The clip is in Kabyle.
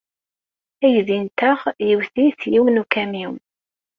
Aydi-nteɣ iwet-it yiwen n ukamyun.